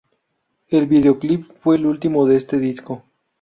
El videoclip fue el último de este disco.